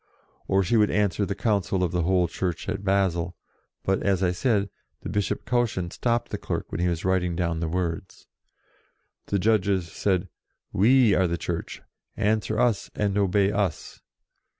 Or she would answer the Council of the whole Church at Basle, but, as I said, the Bishop Cauchon stopped the clerk when he was writing down the words. The Judges said " We are the Church; answer us and obey us."